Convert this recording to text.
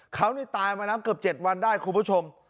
เขาตายมาแล้วเกือบ๗วันได้คุณผู้ชม